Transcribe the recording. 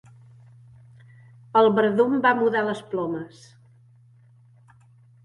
El verdum va mudar les plomes.